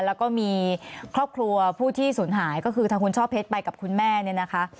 แล้วก็มีครอบครัวผู้ที่สูญหายก็คือทางคุณช่อเพชรไปกับคุณแม่เนี่ยนะคะ